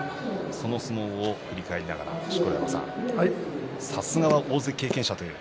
その相撲を振り返りながら錣山さんさすがは大関経験者という。